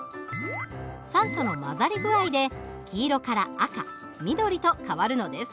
酸素の混ざり具合で黄色から赤緑と変わるのです。